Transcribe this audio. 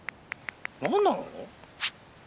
何なの？